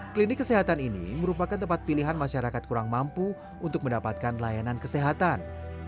klinik kesehatan ini merupakan tempat pilihan masyarakat kurang mampu untuk mendapatkan layanan kesehatan